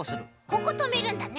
こことめるんだね。